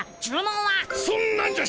そんなんじゃ